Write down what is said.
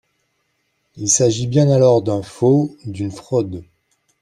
Il s’agit bien alors d’un faux, d’une fraude.